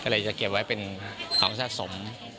ก็เลยจะเก็บไว้เป็นของสะสม